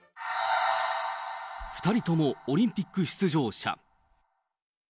２人ともオリンピック出場者。